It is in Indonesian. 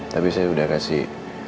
tapi saya udah kasih